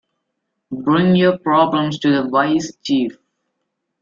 Bring your problems to the wise chief.